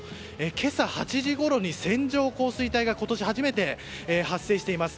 今朝８時ごろに線状降水帯が今年初めて発生しています。